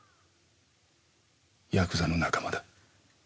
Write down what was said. ヤクザの仲間だ。